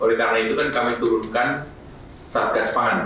oleh karena itu kan kami turunkan satgas pangan